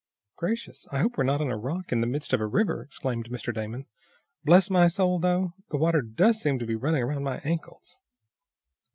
"Gracious, I hope we're not on a rock in the midst of a river!" exclaimed Mr. Damon. "Bless my soul, though! The water does seem to be running around my ankles."